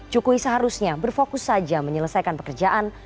jokowi seharusnya berfokus saja menyelesaikan pekerjaan